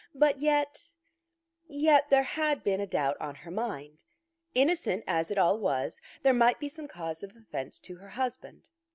But yet, yet there had been a doubt on her mind. Innocent as it all was, there might be cause of offence to her husband.